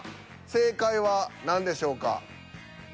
正解は何でしょうか。